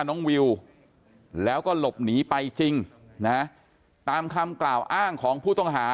น้องวิวแล้วก็หลบหนีไปจริงนะตามคำกล่าวอ้างของผู้ต้องหา